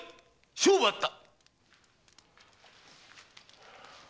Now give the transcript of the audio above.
勝負あった！